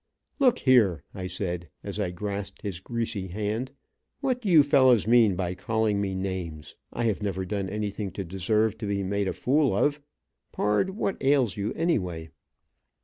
"Look a here." I said, as I grasped his greasy hand, "what do you fellows mean by calling me names, I have never done anything to deserve to be made a fool of. Pard, what ails you anyway?"